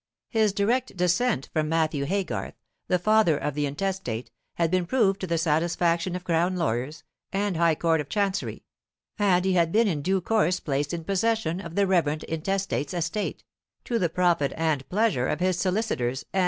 His direct descent from Matthew Haygarth, the father of the intestate, had been proved to the satisfaction of Crown lawyers and High Court of Chancery, and he had been in due course placed in possession of the reverend intestate's estate, to the profit and pleasure of his solicitors and M.